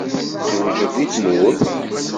Tzewǧeḍ deg tmurt?